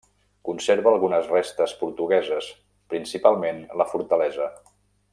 Conserva algunes restes portugueses, principalment la fortalesa.